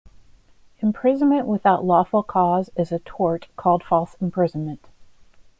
Imprisonment without lawful cause is a tort called false imprisonment.